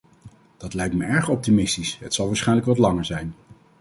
Dat lijkt me erg optimistisch; het zal waarschijnlijk wat langer zijn.